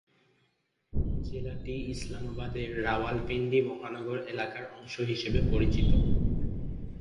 জেলাটি ইসলামাবাদের রাওয়ালপিন্ডি মহানগর এলাকার অংশ হিসেবে পরিচিত।